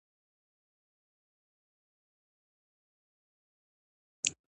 هغه وویل چې د سړو اوبو فعالیت څو عوامل لري.